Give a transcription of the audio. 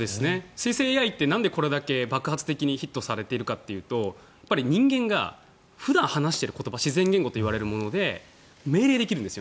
生成ＡＩってなんでこれだけ爆発的にヒットされているかというと人間が普段話している言葉自然言語といわれるもので命令できるんです。